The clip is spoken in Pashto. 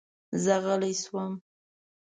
زه غلی شوم.